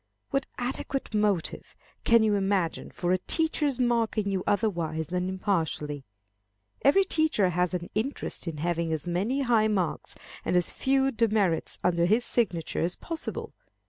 What adequate motive can you imagine for a teacher's marking you otherwise than impartially? Every teacher has an interest in having as many high marks and as few demerits under his signature as possible.